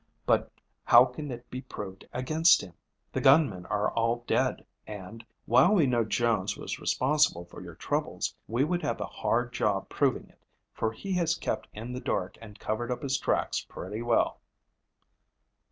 But how can it be proved against him? The gunmen are all dead, and, while we know Jones was responsible for your troubles, we would have a hard job proving it, for he has kept in the dark and covered up his tracks pretty well."